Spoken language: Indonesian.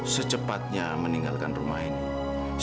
secepatnya meninggalkan rumah ini